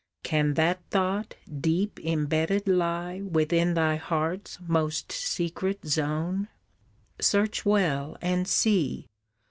Can that thought deep imbedded lie Within thy heart's most secret zone! Search well and see!